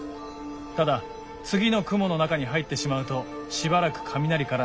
ただ次の雲の中に入ってしまうとしばらく雷から抜けられません。